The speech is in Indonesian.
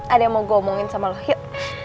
ada yang mau gue omongin sama lu yuk